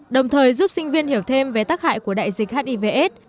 đồng thời giúp sinh viên hiểu thêm về tắc hại của đại dịch hiv s